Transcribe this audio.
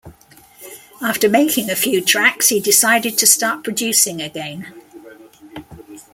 After making a few tracks, he decided to start producing again.